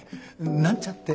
なんちゃって。